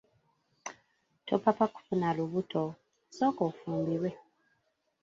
Topapa kufuna lubuto, sooka ofumbirwe.